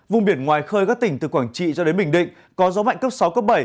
vùng biển ngoài khơi các tỉnh từ quảng trị cho đến bình định có gió mạnh cấp sáu cấp bảy